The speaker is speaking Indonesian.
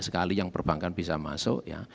sekali yang perbankan bisa masuk ya